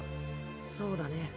そうだね。